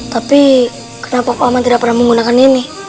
tapi kenapa paman tidak pernah menggunakan ini